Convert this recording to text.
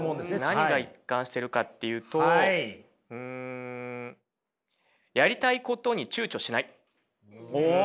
何が一貫してるかっていうとうんお！